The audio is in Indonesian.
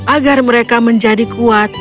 agar mereka menjadi kuat